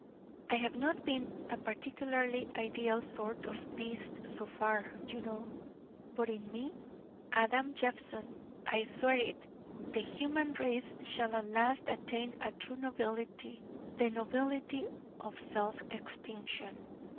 I have not been a particularly ideal sort of beast so far, you know: but in me, Adam Jeffson I swear it the human race shall at last attain a true nobility, the nobility of self extinction.